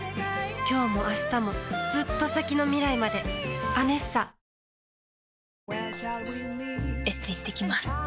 きょうもあしたもずっと先の未来まで「ＡＮＥＳＳＡ」エステ行ってきます。